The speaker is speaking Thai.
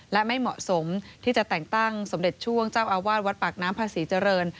และไม่เหมาะสมที่จะแต่งตั้งสมเด็จช่วงเจ้าอาวาสวัดปากน้ำภาษีเจริญ